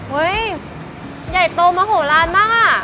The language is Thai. อุ๊ยใหญ่โตมาหบนี่หลานมากอะ